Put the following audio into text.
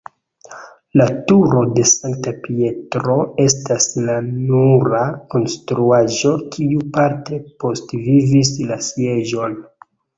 La turo de Sankta Pietro estas la nura konstruaĵo kiu parte postvivis la Sieĝon.